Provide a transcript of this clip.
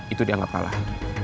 itu dianggap kalah